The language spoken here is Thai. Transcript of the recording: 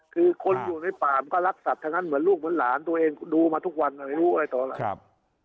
คือคนอยู่ในป่ามก็รักษะทั้งนั้นแบบลูกเหมือนล้านตัวเองคุณดูมาทุกวันไม่รู้อะไรต่อแล้ว